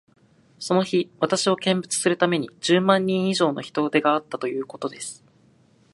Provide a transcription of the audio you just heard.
その日、私を見物するために、十万人以上の人出があったということです。